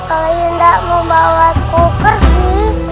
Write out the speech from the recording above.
kalau yunda mau bawa aku pergi